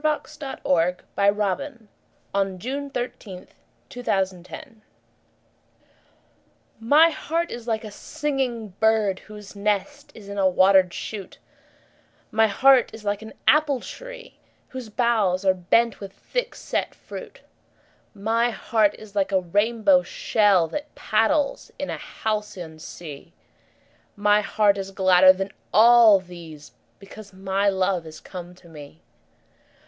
Christina Georgina Rossetti. 1830–1894 780. A Birthday MY heart is like a singing bird Whose nest is in a water'd shoot; My heart is like an apple tree Whose boughs are bent with thick set fruit; My heart is like a rainbow shell 5 That paddles in a halcyon sea; My heart is gladder than all these, Because my love is come to me.